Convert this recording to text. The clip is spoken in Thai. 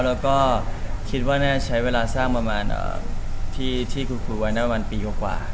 แล้วก็คิดว่าน่าจะใช้เวลาสร้างประมาณที่คุณคุยว่าน่าจะประมาณปีกว่ากว่า